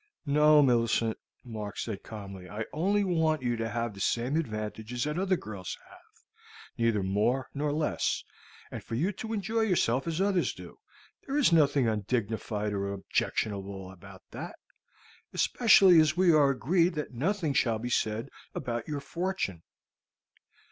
"No, Millicent," Mark said calmly. "I only want you to have the same advantages that other girls have, neither more nor less, and for you to enjoy yourself as others do. There is nothing undignified or objectionable about that, especially as we are agreed that nothing shall be said about your fortune.